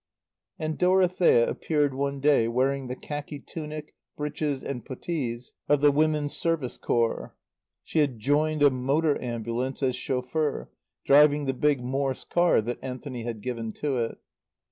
And Dorothea appeared one day wearing the khaki tunic, breeches and puttees of the Women's Service Corps. She had joined a motor ambulance as chauffeur, driving the big Morss car that Anthony had given to it.